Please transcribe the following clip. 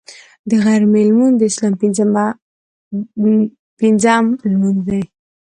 د غرمې لمونځ د اسلام پنځم لمونځ دی